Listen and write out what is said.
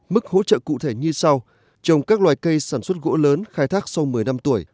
mức hỗ trợ cụ thể như sau trồng các loài cây sản xuất gỗ lớn khai thác sau một mươi năm tuổi